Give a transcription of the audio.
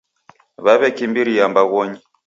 W'aw'ekimbiria mbaghonyi.